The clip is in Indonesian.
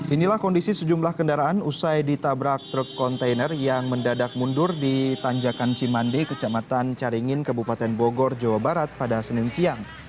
inilah kondisi sejumlah kendaraan usai ditabrak truk kontainer yang mendadak mundur di tanjakan cimande kecamatan caringin kebupaten bogor jawa barat pada senin siang